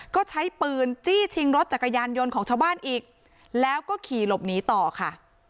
ก็ใช้ปืนจี้ชิงรถจักรยานยนต์ของชาวบ้านอีกแล้วก็ขี่หลบหนีต่อค่ะ